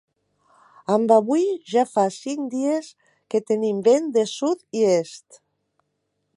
Amb avui ja fa cinc dies que tenim vent de sud i est.